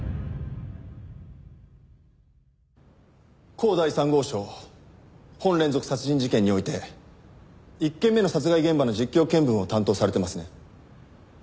甲第３号証本連続殺人事件において１件目の殺害現場の実況見分を担当されてますね？